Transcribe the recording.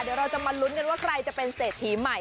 เดี๋ยวเราจะมาลุ้นกันว่าใครจะเป็นเศรษฐีใหม่